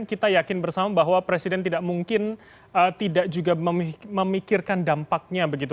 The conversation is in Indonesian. kita yakin bersama bahwa presiden tidak mungkin tidak juga memikirkan dampaknya begitu